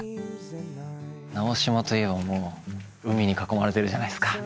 直島といえば海に囲まれてるじゃないですか。